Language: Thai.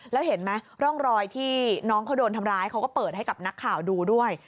แล้วเห็นไหมร่องรอยที่น้องเขาโดนทำร้ายเขาก็เปิดให้กับนักข่าวดูด้วย